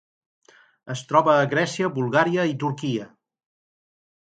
Es troba a Grècia, Bulgària i Turquia.